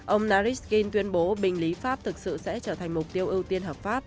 ông narys ginn tuyên bố bình lý pháp thực sự sẽ trở thành mục tiêu ưu tiên hợp pháp